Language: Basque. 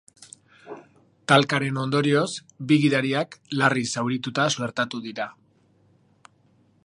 Talkaren ondorioz, bi gidariak larri zaurituta suertatu dira.